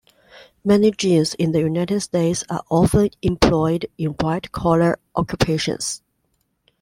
Many Jains in the United States are often employed in white-collar occupations.